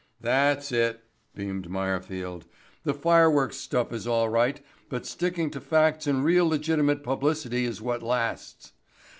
"That's it," beamed Meyerfield. "The fireworks stuff is all right, but sticking to facts and real legitimate publicity is what lasts.